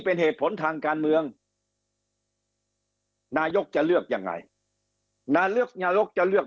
เป็นเหตุผลทางการเมืองนายกจะเลือกยังไงนายกจะเลือก